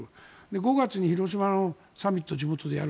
５月に広島のサミットを地元でやる。